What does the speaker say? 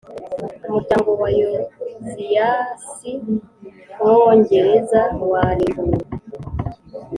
umuryango wa yoziyasi mwongereza warimbuwe